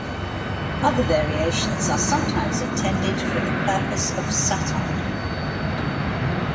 Other variations are sometimes intended for the purpose of satire.